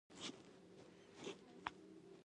په تلیفوني خبرو کې یې استیضاح ته مستوزا وویل.